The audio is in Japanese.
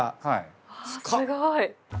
あすごい。